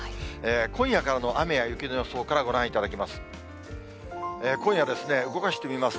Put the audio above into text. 今夜からの雨や雪の予想からご覧いただきます。